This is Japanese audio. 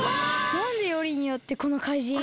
なんでよりによってこのかいじん？